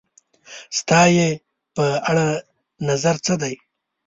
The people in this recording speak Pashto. ستا یی په اړه نظر څه دی؟